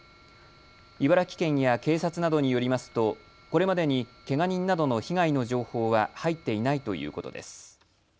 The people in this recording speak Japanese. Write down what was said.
茨城県や警察などによりますとこれまでに、けが人などの被害の情報は入っていないということです。